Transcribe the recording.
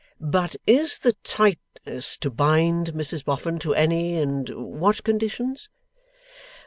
But is the tightness to bind Mrs Boffin to any and what conditions?